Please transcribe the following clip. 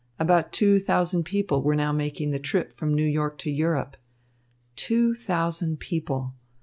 About two thousand people were now making the trip from New York to Europe. Two thousand people!